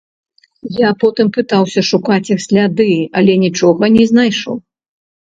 Я потым пытаўся шукаць іх сляды, але нічога не знайшоў.